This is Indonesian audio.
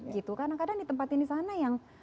gitu kadang kadang di tempat ini sana yang